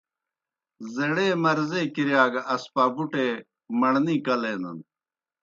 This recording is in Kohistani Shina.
زیڑے مرضے کِرِیا گہ اسپابُٹے مڑنے کلینَن۔